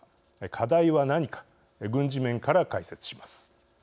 課題は何か軍事面から解説します。